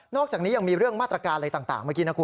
อกจากนี้ยังมีเรื่องมาตรการอะไรต่างเมื่อกี้นะคุณ